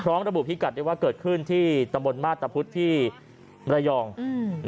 ระบุพิกัดได้ว่าเกิดขึ้นที่ตำบลมาตรพุทธที่มรยองอืม